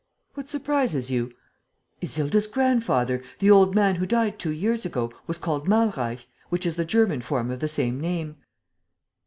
"What surprises you?" "Isilda's grandfather, the old man who died two years ago, was called Malreich, which is the German form of the same name."